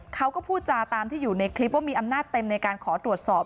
เขาก็พูดจาตามที่อยู่ในคลิปว่ามีอำนาจเต็มในการขอตรวจสอบ